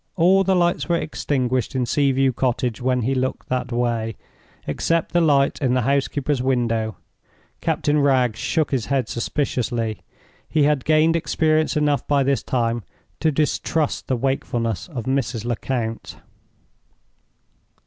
All the lights were extinguished in Sea view Cottage, when he looked that way, except the light in the housekeeper's window. Captain Wragge shook his head suspiciously. He had gained experience enough by this time to distrust the wakefulness of Mrs. Lecount.